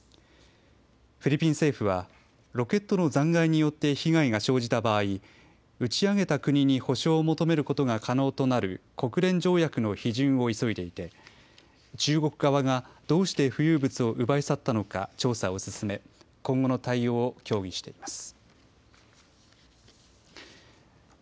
フィリピン政府はロケットの残骸によって被害が生じた場合、打ち上げた国に補償を求めることが可能となる国連条約の批准を急いでいて中国側がどうして浮遊物を奪い去ったのか調査を進め今後の対応を協議してます。